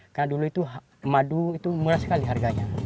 karena dulu itu madu itu murah sekali harganya